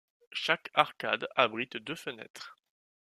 Chaque arcade abrite deux fenêtres.